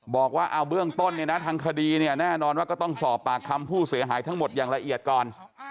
บอกว่าเอาเบื้องต้นเนี่ยนะทางคดีเนี่ยแน่นอนว่าก็ต้องสอบปากคำผู้เสียหายทั้งหมดอย่างละเอียดก่อน